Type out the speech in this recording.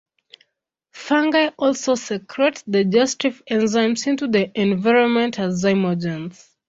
Fungi also secrete digestive enzymes into the environment as zymogens.